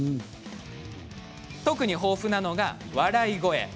特に豊富なのが笑い声。